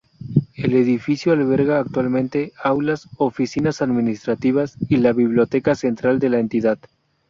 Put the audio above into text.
El edificio alberga actualmente aulas, oficinas administrativas y la Biblioteca Central de la entidad.